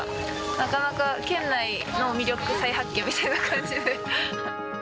なかなか県内の魅力再発見みたいな感じで。